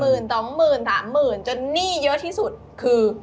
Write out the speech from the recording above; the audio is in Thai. ทีละหมื่นสองหมื่นสามหมื่นจนหนี้เยอะที่สุดคือ